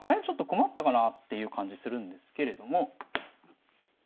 ちょっと困ったかなっていう感じするんですけれども。